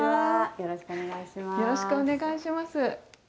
よろしくお願いします。